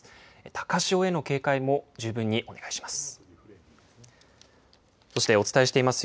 高潮への警戒も十分にお願いします。